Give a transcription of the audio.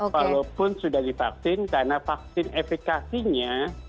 walaupun sudah divaksin karena vaksin efekasinya